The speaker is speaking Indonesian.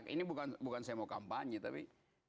ini bukan saya mau kampanye tapi